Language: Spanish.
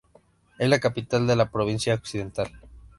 Es la capital de la provincia Occidental.